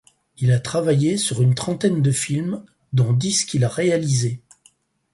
Il a travaillé sur une trentaine de films, dont dix qu'il a réalisés.